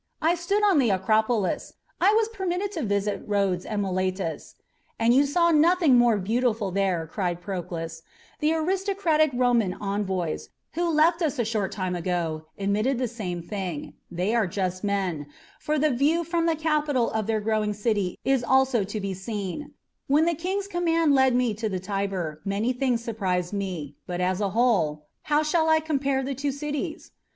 "I stood on the Acropolis; I was permitted to visit Rhodes and Miletus " "And you saw nothing more beautiful there," cried Proclus. "The aristocratic Roman envoys, who left us a short time ago, admitted the same thing. They are just men, for the view from the Capitol of their growing city is also to be seen. When the King's command led me to the Tiber, many things surprised me; but, as a whole, how shall I compare the two cities?